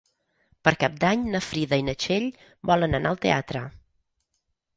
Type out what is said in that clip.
Per Cap d'Any na Frida i na Txell volen anar al teatre.